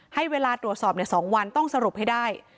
ให้เวลาตรวจสอบ๒วันต้องสรุปให้ได้